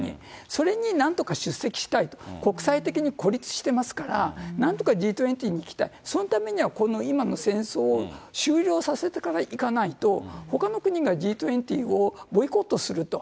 それになんとか出席したいと、国際的に孤立してますから、なんとかＧ２０に行きたい、そのためにはこの今の戦争を終了させてから行かないと、ほかの国がＧ２０をボイコットすると。